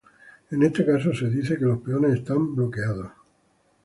En este caso se dice que los peones están bloqueados.